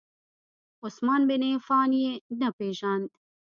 عثمان بن عفان یې نه پیژاند.